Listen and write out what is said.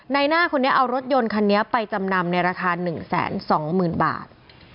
ในหน้าคนนี้เอารถยนต์คันนี้ไปจำนำในราคา๑๒๐๐๐บาท